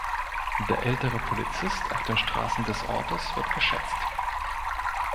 Der ältere Polizist auf den Straßen des Ortes wird geschätzt.